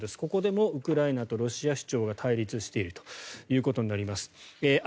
ここでもウクライナとロシアの主張が対立しているということになります。